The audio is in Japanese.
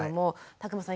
詫間さん